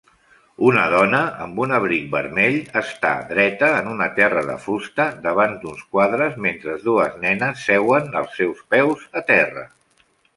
Una dona amb un abric vermell està dreta en un terra de fusta davant d'uns quadres mentre dues nenes seuen als seus peus a terra